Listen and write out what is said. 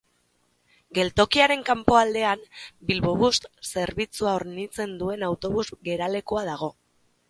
Geltokiaren kanpoaldean Bilbobus zerbitzua hornitzen duen autobus geralekua dago.